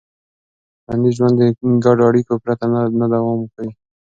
ټولنیز ژوند د ګډو اړیکو پرته نه دوام کوي.